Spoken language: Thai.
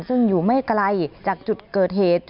ซึ่งอยู่ไม่ไกลจากจุดเกิดเหตุ